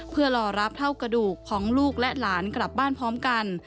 เพื่อรอรับเท่ากระดูกของลูกและหลานกลับบ้านพร้อมกัน